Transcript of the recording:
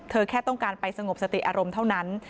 แค่ต้องการไปสงบสติอารมณ์เท่านั้น